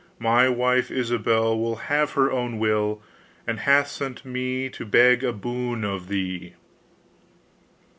My wife Ilsabill Will have her own will, And hath sent me to beg a boon of thee!